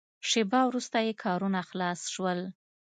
شېبه وروسته یې کارونه خلاص شول.